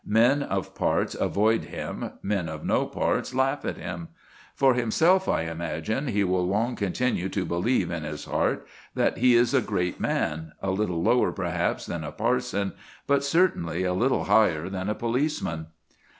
Men of parts avoid him; men of no parts laugh at him. For himself, I imagine, he will long continue to believe in his heart that he is a great man, a little lower, perhaps, than a parson, but certainly a little higher than a policeman.